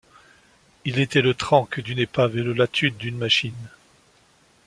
Il était le Trenck d’une épave et le Latude d’une machine.